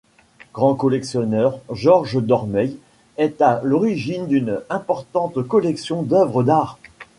Grand collectionneur, Georges Dormeuil est à l’origine d’une importante collection d’œuvres d’art.